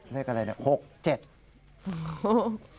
เลขอะไรเนี่ย๖๗